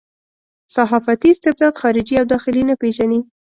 صحافتي استبداد خارجي او داخلي نه پېژني.